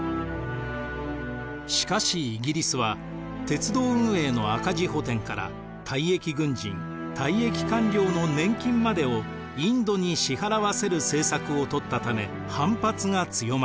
しかしイギリスは鉄道運営の赤字補填から退役軍人退役官僚の年金までをインドに支払わせる政策をとったため反発が強まります。